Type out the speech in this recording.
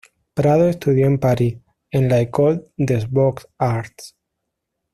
Prado estudió en París en la "École des Beaux-Arts".